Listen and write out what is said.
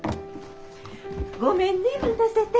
ごめんね待たせて。